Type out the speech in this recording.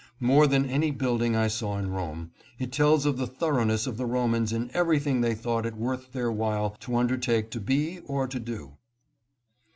More than any building I saw in Rome, it tells of the thoroughness of the Romans in everything they thought it worth their while to undertake to be or to do.